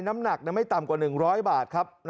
น้ำหนักไม่ต่ำกว่า๑๐๐บาทครับ